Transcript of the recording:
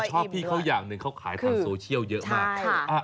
ชอบพี่เขาอย่างหนึ่งเขาขายทางโซเชียลเยอะมาก